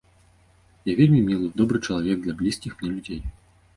Я вельмі мілы, добры чалавек для блізкіх мне людзей.